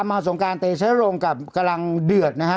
ทำมาสงการเตเชษฐรงค์กำลังเดือดนะฮะ